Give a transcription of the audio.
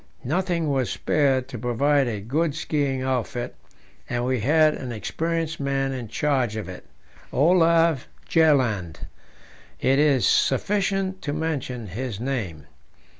Nothing was spared to provide a good skiing outfit, and we had an experienced man in charge of it Olav Bjaaland. It is sufficient to mention his name.